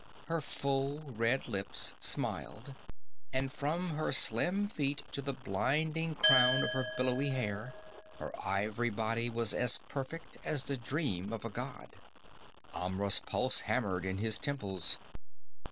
Her full red lips smiled, and from her slim feet to the blinding crown of her billowy hair, her ivory body was as perfect as the dream of a god. Amra's pulse hammered in his temples.